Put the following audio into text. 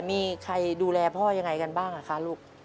มีใครดูแลพ่อยังไงกันบ้างคะลูก